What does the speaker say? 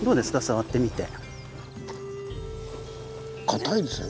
触ってみて。